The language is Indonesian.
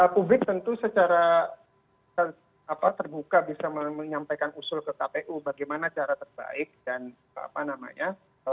publik tentu secara terbuka bisa menyampaikan usul ke kpu bagaimana cara terbaik dan apa namanya